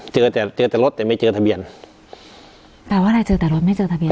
เจอแต่เจอแต่รถแต่ไม่เจอทะเบียนแปลว่าอะไรเจอแต่รถไม่เจอทะเบีย